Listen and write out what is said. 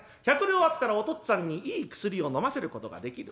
１００両あったらお父っつぁんにいい薬をのませることができる。